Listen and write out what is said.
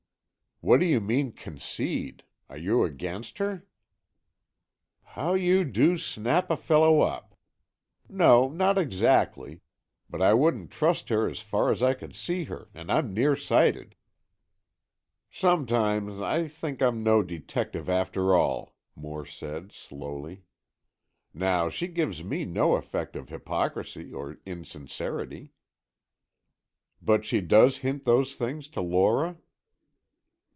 "What do you mean, concede? Are you against her?" "How you do snap a fellow up! No, not exactly. But I wouldn't trust her as far as I could see her,—and I'm near sighted." "Sometimes I think I'm no detective after all," Moore said, slowly. "Now she gives me no effect of hypocrisy or insincerity." "But she does hint those things to Lora?"